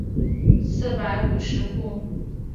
四百五十户。